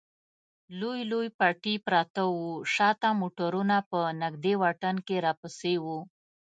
لوی لوی پټي پراته و، شا ته موټرونه په نږدې واټن کې راپسې و.